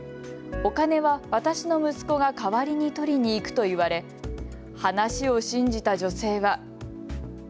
お金は私の息子が代わりに取りに行くと言われ話を信じた女性は。